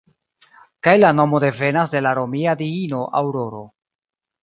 Kaj la nomo devenas de la romia diino Aŭroro.